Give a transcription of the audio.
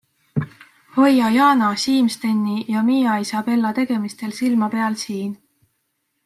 Hoia Jana, Siim-Steni ja Mia Isabela tegemistel silma peal SIIN.